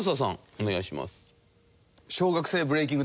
お願いします。